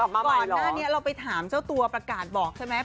ก่อนหน้านี้เราไปถามเจ้าตัวประกาศบอกใช่ไหม